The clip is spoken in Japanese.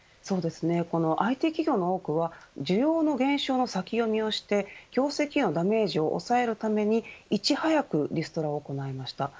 ＩＴ企業の多くは需要の減少の先読みをして業績へのダメージを抑えるためにいち早くリストラを行いました。